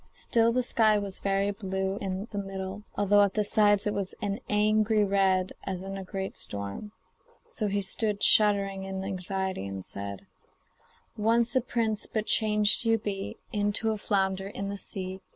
Still the sky was very blue in the middle, although at the sides it was an angry red as in a great storm. So he stood shuddering in anxiety, and said: 'Once a prince, but changed you be Into a flounder in the sea.